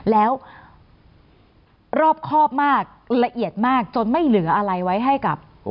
แล้วรอบครอบมากละเอียดมากจนไม่เหลืออะไรไว้ให้กับ